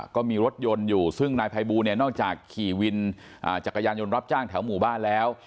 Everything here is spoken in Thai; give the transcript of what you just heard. ก็มีรถยนต์อยู่ซึ่งนายภัยบูลเนี่ยนอกจากขี่วินจักรยานยนต์รับจ้างแถวหมู่บ้านแล้ว